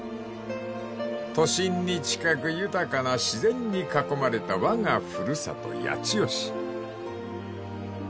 ［都心に近く豊かな自然に囲まれたわが古里八千代市］